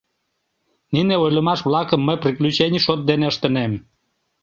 Нине ойлымаш-влакым мый приключений шот дене ыштынем.